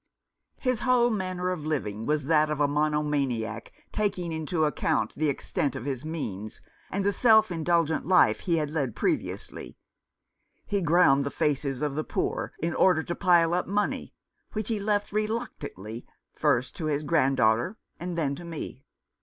His whole manner of living was that of a monomaniac, taking into account the extent of his means, and 281 Rough Justice. the self indulgent life he had led previously. He ground the faces of the poor in order to pile up money, which he left reluctantly, first to his grand daughter and then to me.